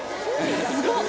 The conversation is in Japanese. すごっ！